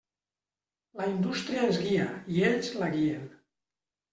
La indústria ens guia, i ells la guien.